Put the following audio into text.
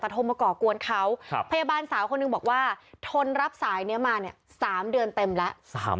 แต่โทรมาก่อกวนเขาพยาบาลสาวคนหนึ่งบอกว่าทนรับสายนี้มาเนี่ย๓เดือนเต็มแล้ว